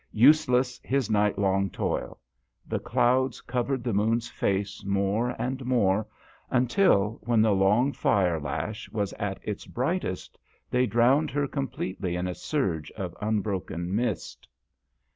Useless his night long toil ; the clouds covered the moon's face more and more, until, when the long fire lash was at its brightest, they drowned her completely in a surge of unbroken mist.